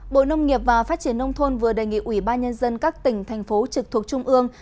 bộ nông nghiệp và phát triển nông thôn vừa đề nghị ủy ban nhân dân các tỉnh thành phố trực thuộc trung ương